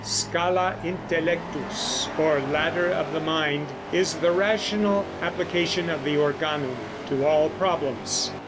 Scala Intellectus, or "Ladder of the Mind," is the rational application of the Organum to all problems.